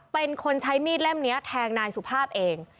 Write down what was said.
เป็นคนใช้มีดเล่มนี้แทงนายสุภาพเอง